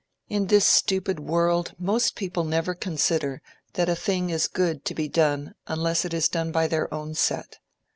In this stupid world most people never consider that a thing is good to be done unless it is done by their own set.